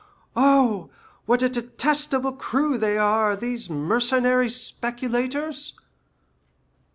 Oh, what a detestable crew they are, these mercenary speculators!"